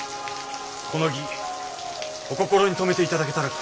この儀お心に留めていただけたら幸甚の至り。